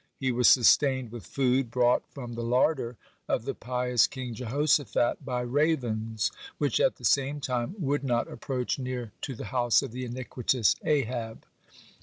He was sustained with food brought from the larder of the pious king Jehoshaphat by ravens, (6) which at the same time would not approach near to the house of the iniquitous Ahab.